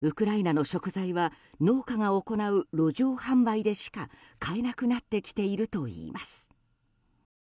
ウクライナの食材は農家が行う路上販売でしか買えなくなってきているといいます。